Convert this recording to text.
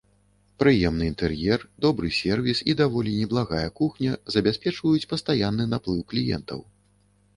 Прыемны інтэр'ер, добры сэрвіс і даволі неблагая кухня забяспечваюць пастаянны наплыў кліентаў.